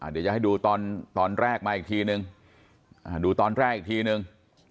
เดี๋ยวจะให้ดูตอนแรกมาอีกทีนึงดูตอนแรกอีกทีนึง